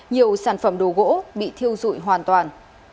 nhiều sản phẩm đồ gỗ bị thiêu dụi hoàn toàn